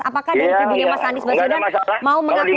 apakah dari pihak kubunya pak anies pak sudan mau mengaku itu